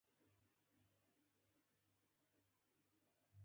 د تاریخ قهرمانان د خپل وطن عزت لوړوي.